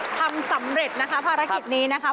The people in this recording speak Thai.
ทำสำเร็จนะคะภารกิจนี้นะคะ